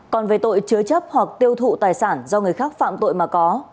còn về tội chứa chấp hoặc tiêu thụ tài sản do người khác phạm tội mà có